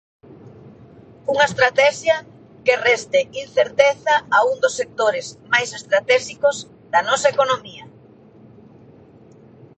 Unha estratexia que reste incerteza a un dos sectores máis estratéxicos da nosa economía.